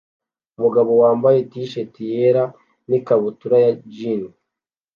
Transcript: Umugabo wambaye t-shati yera n ikabutura ya jean